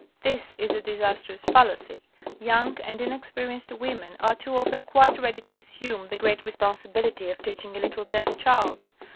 This is a disastrous fallacy. Young and inexperienced women are too often quite ready to assume the great responsibility of teaching a little deaf child.